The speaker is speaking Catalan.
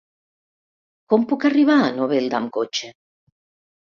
Com puc arribar a Novelda amb cotxe?